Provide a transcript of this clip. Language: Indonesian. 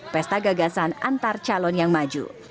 pesta gagasan antar calon yang maju